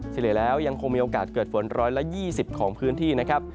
เฉลี่ยแล้วยังคงมีโอกาสเกิดฝน๑๒๐ของพื้นที่นะครับ